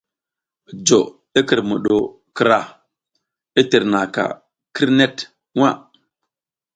Jo i kǝrmuɗo krah i tǝrnaʼaka kǝrnek nwa.